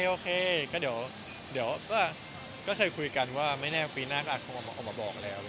โอเคก็เดี๋ยวก็เคยคุยกันว่าไม่แน่ปีหน้าก็อาจเขาออกมาบอกแล้ว